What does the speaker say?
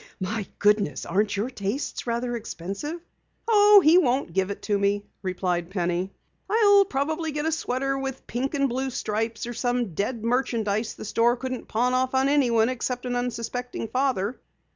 My goodness, aren't your tastes rather expensive?" "Oh, he won't give it to me," replied Penny. "I'll probably get a sweater with pink and blue stripes or some dead merchandise the store couldn't pawn off on anyone except an unsuspecting father."